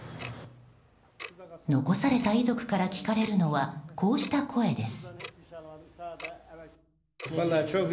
残された遺族から聞かれるのはこうした声です。